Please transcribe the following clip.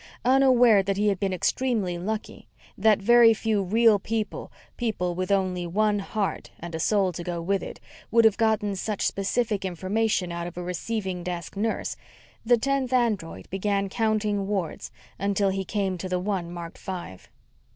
Unaware that he had been extremely lucky, that very few real people people with only one heart, and a soul to go with it would have gotten such specific information out of a receiving desk nurse, the tenth android began counting wards until he came to the one marked Five.